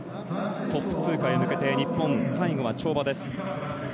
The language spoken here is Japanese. トップ通過へ向けて日本、最後は跳馬です。